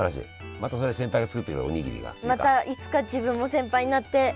またそれ先輩が作ってくれるおにぎりが。